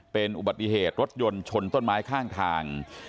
เป็นอุบัติเหตุรถยนต์ชนต้นไม้ข้างทาง